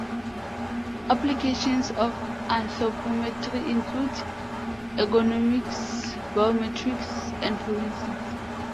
Applications of anthropometry include ergonomics, biometrics, and forensics.